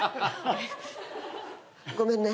ごめんね。